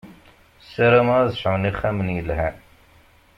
Sarameɣ ad sɛun ixxamen yelhan.